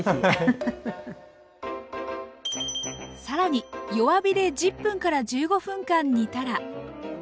更に弱火で１０分から１５分間煮たら。